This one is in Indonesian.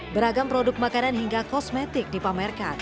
beragam produk makanan hingga kosmetik dipamerkan